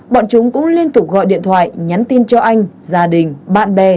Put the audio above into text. bọn chúng cũng liên tục gọi điện thoại nhắn tin cho anh gia đình bạn bè